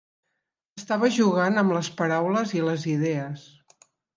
Estava jugant amb les paraules i les idees.